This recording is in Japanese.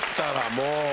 もう。